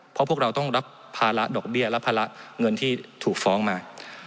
เพราะพวกเราต้องรับภาระดอกเบี้ยและภาระเงินที่ถูกฟ้องมา